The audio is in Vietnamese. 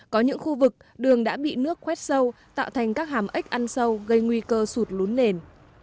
có những khu vực đường đã bị nước khoét sâu tạo thành các hàm ếch ăn sâu gây nguy cơ sụt lún nền